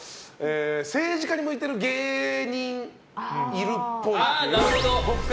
政治家に向いていると思う芸人がいるっぽい。